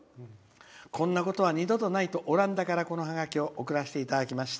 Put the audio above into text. こんなことは二度とないとオランダから、このハガキを送らせていただきました。